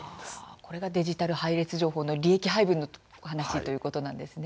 これがデジタル配列情報の利益配分という話なんですね。